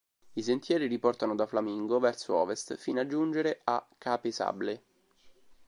I sentieri riportano da Flamingo verso ovest, fino a giungere a Cape Sable.